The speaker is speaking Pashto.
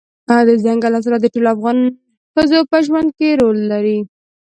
دځنګل حاصلات د ټولو افغان ښځو په ژوند کې رول لري.